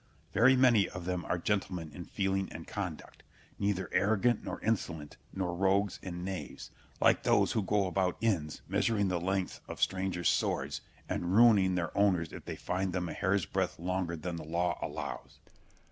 Very many of them are gentlemen in feeling and conduct; neither arrogant nor insolent, nor rogues and knaves, like those who go about inns, measuring the length of strangers' swords, and ruining their owners if they find them a hair's breadth longer than the law allows.